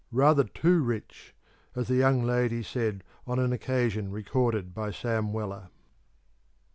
'Rather too rich,' as the Young Lady said on an occasion recorded by Sam Weller.